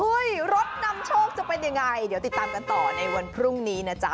รถนำโชคจะเป็นยังไงเดี๋ยวติดตามกันต่อในวันพรุ่งนี้นะจ๊ะ